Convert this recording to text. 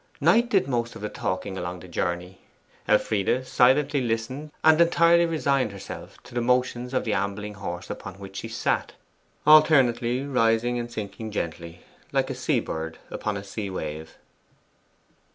Knight did most of the talking along the journey. Elfride silently listened, and entirely resigned herself to the motions of the ambling horse upon which she sat, alternately rising and sinking gently, like a sea bird upon a sea wave.